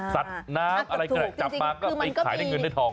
สัตว์น้ำอะไรก็ได้จับมาก็ไปขายได้เงินได้ทอง